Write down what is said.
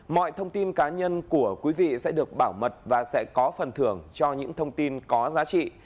mọi thông tin cá nhân của quý vị sẽ được bảo mật và sẽ có phần thưởng cho những thông tin có giá trị